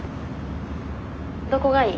どこがいい？